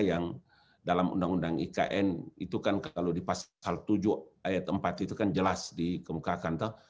yang dalam undang undang ikn itu kan kalau di pasal tujuh ayat empat itu kan jelas dikemukakan